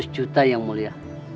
seratus juta yang mulia